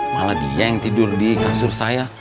malah dia yang tidur di kasur saya